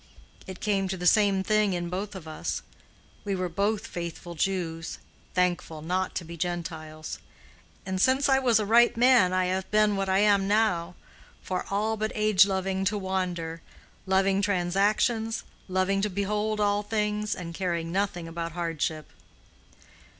It came to the same thing in both of us; we were both faithful Jews, thankful not to be Gentiles. And since I was a ripe man, I have been what I am now, for all but age—loving to wander, loving transactions, loving to behold all things, and caring nothing about hardship.